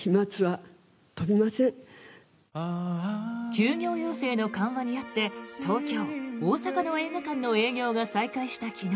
休業要請の緩和によって東京、大阪の映画館の営業が再開した昨日。